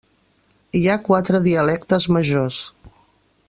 Hi ha quatre dialectes majors.